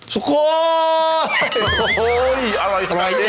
สุโค้ย